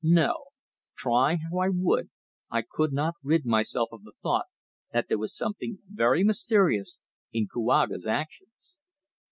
No. Try how I would I could not rid myself of the thought that there was something very mysterious in Kouaga's actions.